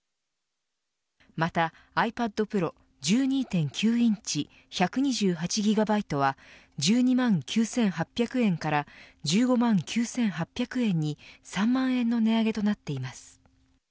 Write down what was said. またｉＰａｄＰｒｏ１２．９インチ１２８ギガバイトは１２万９８００円から１５万９８００円に３万円の値上げとなっています。